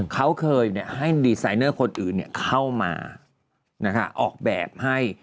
เขาเคยให้ดีไซเนอร์คนอื่นเข้ามาออกแบบให้